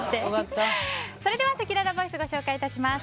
それでは、せきららボイスご紹介致します。